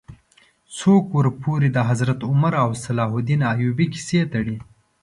څوک ورپورې د حضرت عمر او صلاح الدین ایوبي کیسه تړي.